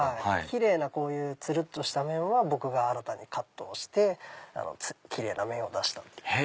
奇麗なこういうつるっとした面は僕が新たにカットをして奇麗な面を出した。